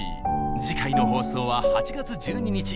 次回の放送は８月１２日。